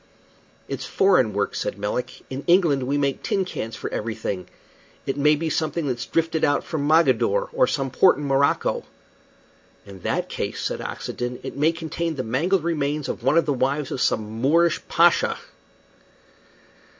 "It's foreign work," said Melick. "In England we make tin cans for everything. It may be something that's drifted out from Mogadore or some port in Morocco." "In that case," said Oxenden, "it may contain the mangled remains of one of the wives of some Moorish pasha."